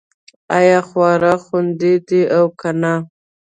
ایا خواړه خوندي دي او که نه